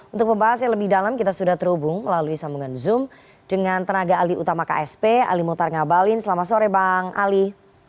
untuk pembahas yang lebih dalam kita sudah terhubung melalui sambungan zoom dengan tenaga ali utama ksp ali mutar ngabalin selamat sore bang ali